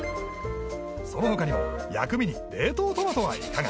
その他にも薬味に冷凍トマトはいかが？